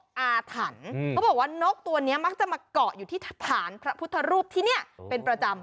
อาถรรพ์เขาบอกว่านกตัวนี้มักจะมาเกาะอยู่ที่ฐานพระพุทธรูปที่นี่เป็นประจำ